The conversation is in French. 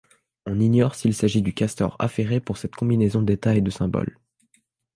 On ignore s'il s'agit du castor affairé pour cette combinaison d'états et de symboles.